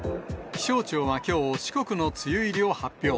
気象庁はきょう、四国の梅雨入りを発表。